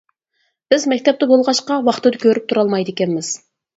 بىز مەكتەپتە بولغاچقا ۋاقتىدا كۆرۈپ تۇرالمايدىكەنمىز.